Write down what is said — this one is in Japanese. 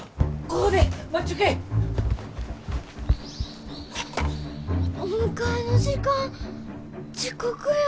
お迎えの時間遅刻や。